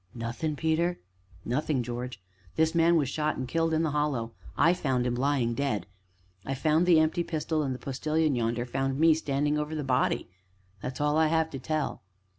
"Nothin', Peter?" "Nothing, George. This man was shot and killed in the Hollow I found him lying dead I found the empty pistol, and the Postilion, yonder, found me standing over the body. That is all I have to tell."